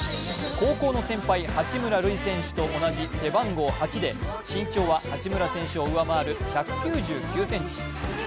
高校の先輩・八村塁選手と同じ背番号８で、身長は八村選手を上回る１９９ｃｍ。